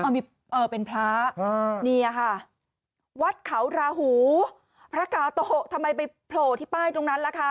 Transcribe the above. มีเออเป็นพระเนี่ยค่ะวัดเขาราหูพระกาโตโหทำไมไปโผล่ที่ป้ายตรงนั้นล่ะคะ